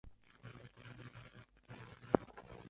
韦志成。